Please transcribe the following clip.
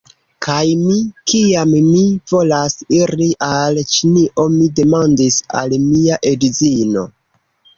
Kaj mi, kiam mi volas iri al Ĉinio, mi demandis al mia edzino: